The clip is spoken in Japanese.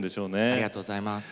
ありがとうございます。